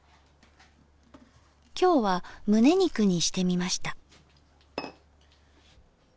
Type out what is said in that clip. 今日はムネ肉にしてみました。